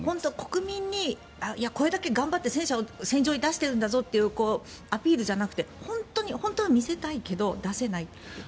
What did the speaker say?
国民にこれだけ頑張って戦車を戦争に出しているんだぞというアピールじゃなくて本当は見せたいけど出せないという？